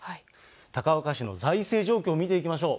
高岡市の財政状況を見ていきましょう。